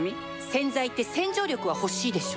洗剤って洗浄力は欲しいでしょ